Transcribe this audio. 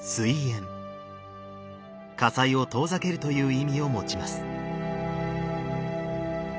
火災を遠ざけるという意味を持ちます。